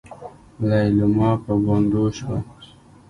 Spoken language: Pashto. ليلما په ګونډو شوه.